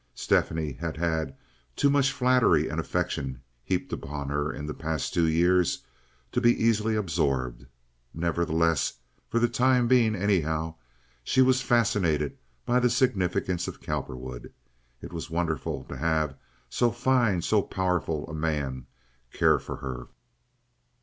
Stephanie had had too much flattery and affection heaped upon her in the past two years to be easily absorbed. Nevertheless, for the time being, anyhow, she was fascinated by the significance of Cowperwood. It was wonderful to have so fine, so powerful a man care for her.